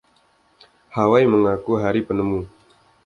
Hawaii mengakui Hari Penemu.